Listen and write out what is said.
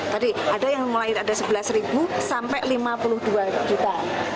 tadi ada yang mulai ada sebelas sampai lima puluh dua juta